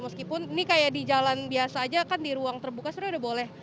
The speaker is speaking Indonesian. meskipun ini kayak di jalan biasa aja kan di ruang terbuka sebenarnya udah boleh